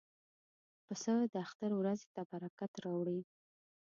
پسه د اختر ورځې ته برکت راوړي.